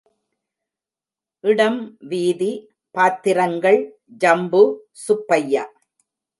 இடம் வீதி பாத்திரங்கள் ஜம்பு, சுப்பையா.